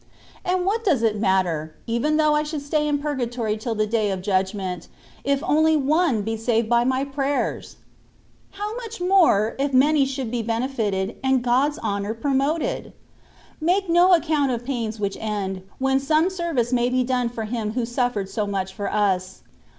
And what does it matter, even though I should stay in pur gatory till the day of judgment, if only one be saved by my prayers ? How much more, if many should be benefited, and God's honour promoted ? Make no account of pains which end, when some service may be done for Him who suffered so much for us.